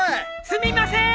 すみません！